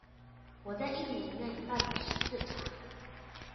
我在一年內辦了十四場